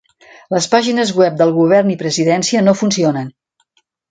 Les pàgines web del govern i presidència no funcionen.